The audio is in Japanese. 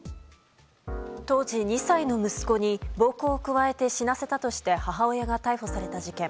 当時２歳の息子に暴行を加えて死なせたとして母親が逮捕された事件。